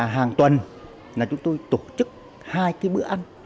hàng tuần chúng tôi tổ chức hai bữa ăn